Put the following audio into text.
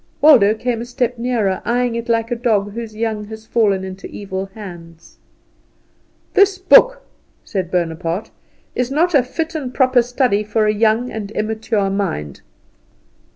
Waldo came a step nearer, eyeing it like a dog whose young has fallen into evil hands. "This book," said Bonaparte, "is not a fit and proper study for a young and immature mind."